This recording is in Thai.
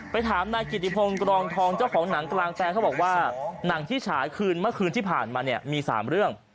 ถามนายกิติพงศ์กรองทองเจ้าของหนังกลางแปลงเขาบอกว่าหนังที่ฉายคืนเมื่อคืนที่ผ่านมาเนี่ยมี๓เรื่อง